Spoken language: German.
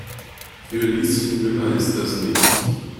Für Lieschen Müller ist das nichts.